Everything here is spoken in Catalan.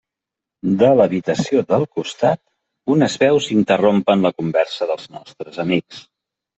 De l'habitació del costat unes veus interrompen la conversa dels nostres amics.